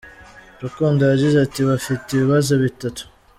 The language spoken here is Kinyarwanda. Rukundo yagize ati “ Bafite ibibazo bitatu.